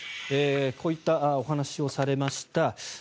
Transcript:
こういったお話をされました。